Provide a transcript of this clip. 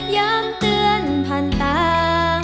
ย้ำเตือนผ่านตา